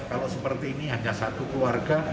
kalau seperti ini hanya satu keluarga